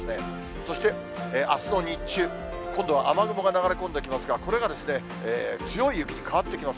そして、あすの日中、今度は雨雲が流れ込んできますが、これが強い雪に変わってきます。